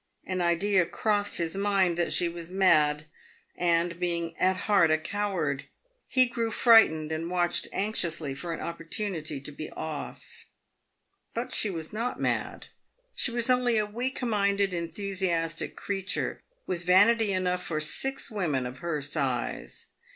An idea crossed his mind that she was mad, and, being at heart a coward, he grew frightened and watched anxiously for an opportunity to be off. But she was not mad ; she was only a weak minded, enthusiastic creature, with vanity enough for six women of her size.